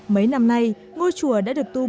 mấy năm nay ngôi chùa đã được tu bổ